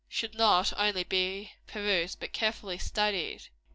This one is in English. should not only be perused, but carefully studied.